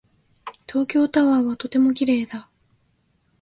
東京タワーはとても綺麗だ。